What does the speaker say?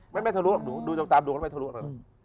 ไม่ทะลุหรอกดูตามดวงแล้วไม่ทะลุหรอก